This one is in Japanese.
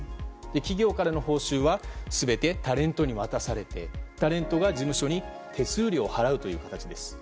企業からの報酬は全てタレントに渡されてタレントが事務所に手数料を払うという形です。